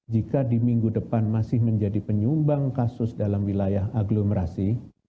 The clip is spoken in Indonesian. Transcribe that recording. jika di minggu depan masih menjadi penyumbang kasus dalam wilayah aglomerasi